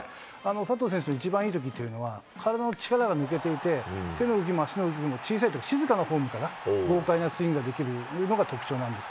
佐藤選手の一番いいときっていうのは、体の力が抜けていて、手の動きも、足の動きも小さい、静かなフォームから豪快なスイングができるのが特徴なんです。